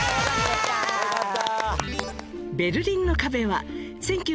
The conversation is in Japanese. よかった。